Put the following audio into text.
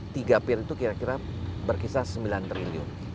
tiga pier itu kira kira berkisar sembilan triliun